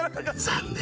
残念！